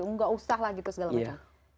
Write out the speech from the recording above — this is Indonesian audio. nggak usah lah gitu segala macam